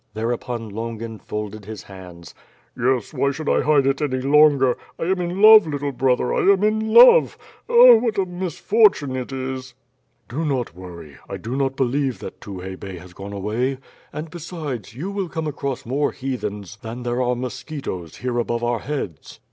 Thereupon Longin folded his hands. "Yes, why should I hide it any longer? I am in love, little brother, I am in love. Ah! what a misfortune it is." "Do not worry, I do not believe that Tukhay Bey has gone 3X6 ^^'^^^^^^^^^ BWORD. away, and, besides, you will come across more Heathenfl than there are mosqmtoes here above our heads."